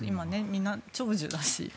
みんな長寿だし。